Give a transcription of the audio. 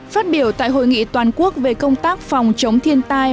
phát biểu tại hội nghị toàn quốc về công tác phòng chống thiên tai